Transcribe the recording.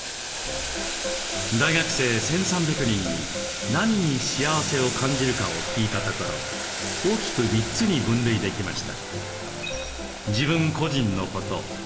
大学生１，３００人に「何に幸せを感じるか？」を聞いたところ大きく３つに分類できました。